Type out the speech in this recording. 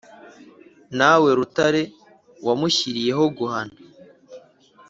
nawe rutare, wamushyiriyeho guhana